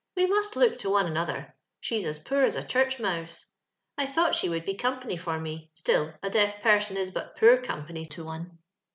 We must look to one another: she's as poor as a church mouse. I thought she would be company for me, still a deaf person is but poor company to one.